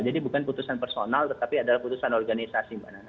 jadi bukan keputusan personal tetapi adalah keputusan organisasi